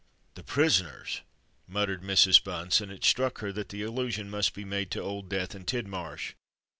"The prisoners!" muttered Mrs. Bunce; and it struck her that allusion must be made to Old Death and Tidmarsh.